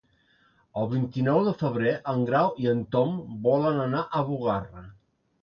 El vint-i-nou de febrer en Grau i en Tom volen anar a Bugarra.